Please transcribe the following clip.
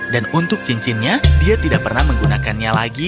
untuk cincinnya dia tidak pernah menggunakannya lagi